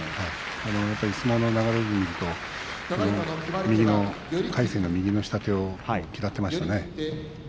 相撲の流れで見ると魁聖の右の下手を嫌っていましたね。